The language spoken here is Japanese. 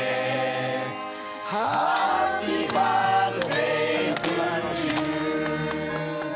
「ハッピーバースデートゥユー」